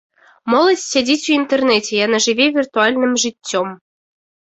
Моладзь сядзіць у інтэрнэце, яна жыве віртуальным жыццём.